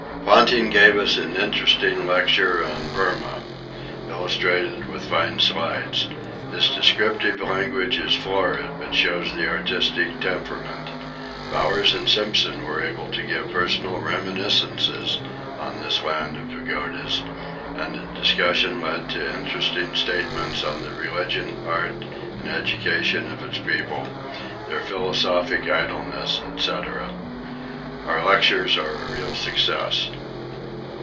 Ponting gave us an interesting lecture on Burmah, illustrated with fine slides. His descriptive language is florid, but shows the artistic temperament. Bowers and Simpson were able to give personal reminiscences of this land of pagodas, and the discussion led to interesting statements on the religion, art, and education of its people, their philosophic idleness, &c. Our lectures are a real success.